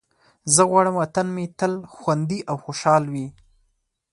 زه غواړم وطن مې تل خوندي او خوشحال وي.